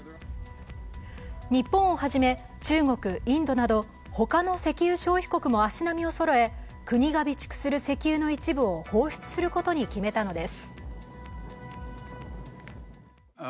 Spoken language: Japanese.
日本をはじめ、中国、インドなどほかの石油消費国も足並みをそろえ国が備蓄する石油の一部を放出することに決めたのです。